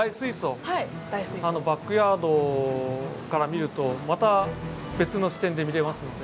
バックヤードから見るとまた別の視点で見れますので。